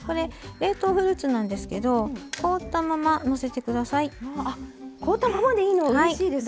冷凍フルーツなんですけど凍ったままのせてください。